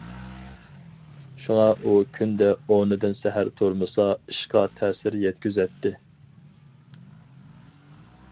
شۇڭا ئۇ كۈندە ئورنىدىن سەھەر تۇرمىسا، ئىشقا تەسىر يەتكۈزەتتى.